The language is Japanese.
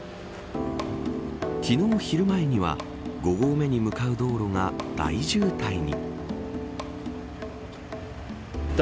昨日、昼前には５合目に向かう道路が大渋滞に。